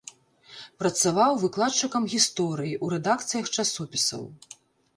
Працаваў выкладчыкам гісторыі, у рэдакцыях часопісаў.